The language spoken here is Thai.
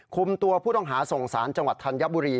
คุมตัวผู้ต้องหาส่งสารจังหวัดธัญบุรี